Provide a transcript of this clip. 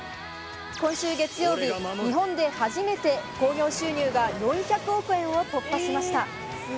今週月曜日、日本で初めて興行収入が４００億円を突破しました。